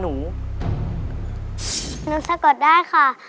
หนูสะกดได้ค่ะ